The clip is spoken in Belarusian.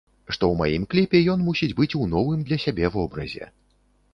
Што ў маім кліпе ён мусіць быць у новым для сябе вобразе.